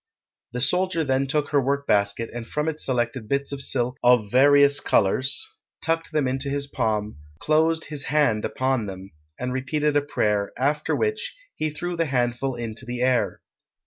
The soldier then took her workbasket and from it selected bits of silk of various colours, tucked them into his palm, closed his hand upon them, and repeated a prayer, after which he threw the handful into the air.